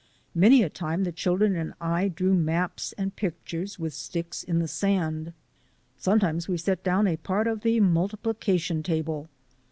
Many a time the children and I drew maps and pictures with sticks in the sand. Sometimes we set down a part of the multiplication table.